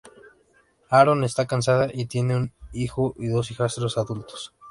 Aaron está casada, tiene un hijo y dos hijastros adultos.